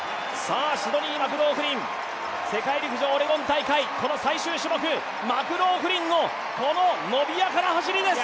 シドニー・マクローフリン、世界陸上オレゴン大会、この最終種目、マクローフリンの伸びやかな走りです。